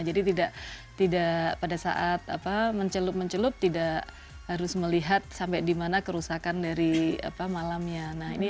tidak pada saat mencelup mencelup tidak harus melihat sampai di mana kerusakan dari malamnya